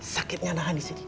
sakitnya ada di sini